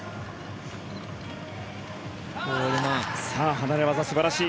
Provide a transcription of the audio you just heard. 離れ技、すばらしい。